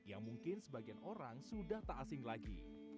yang mungkin sebagian orang sudah tak asing lagi